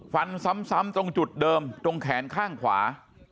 ฟันซ้ำตรงจุดเดิมตรงแขนข้างขวา